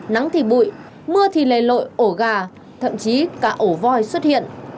nắng thì bụi mưa thì lầy lội ổ gà thậm chí cả ổ voi xuất hiện